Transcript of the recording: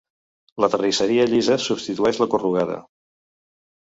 La terrisseria llisa substitueix la corrugada.